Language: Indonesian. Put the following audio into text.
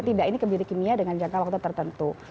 tidak ini kebiri kimia dengan jangka waktu tertentu